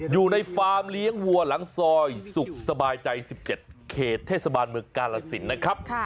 ฟาร์มเลี้ยงวัวหลังซอยสุขสบายใจ๑๗เขตเทศบาลเมืองกาลสินนะครับ